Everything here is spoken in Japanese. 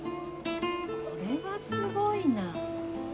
これはすごいな。